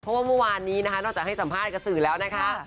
เพราะว่าเมื่อวานนี้นะคะนอกจากให้สัมภาษณ์กับสื่อแล้วนะคะ